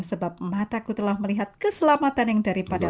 sebab mataku telah melihat keselamatan yang daripada